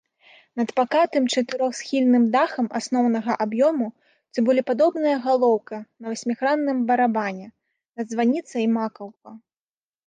Над пакатым чатырохсхільным дахам асноўнага аб'ёму цыбулепадобная галоўка на васьмігранным барабане, над званіцай макаўка.